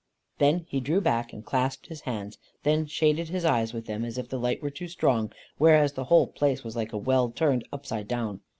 Then he drew back and clasped his hands, then shaded his eyes with them, as if the light were too strong, whereas the whole place was like a well turned upside down.